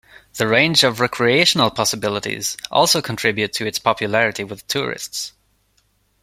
The range of recreational possibilities also contribute to its popularity with tourists.